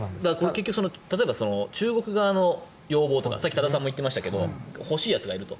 例えば中国側の要望とかさっき多田さんも言ってましたが欲しいやつがいると。